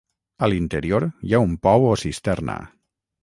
A l'interior hi ha un pou o cisterna.